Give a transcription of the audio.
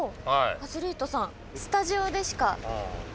アスリートさん。